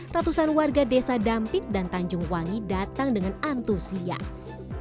ratusan warga desa dampit dan tanjung wangi datang dengan antusias